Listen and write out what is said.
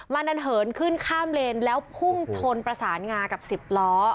มันอันเหินขึ้นข้ามเลนแล้วพุ่งชนประสานงากับ๑๐ล้อ